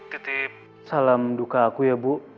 titip salam duka aku ya bu